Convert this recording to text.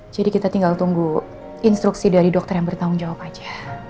kita tinggal tunggu instruksi dari dokter yang bertanggung jawab aja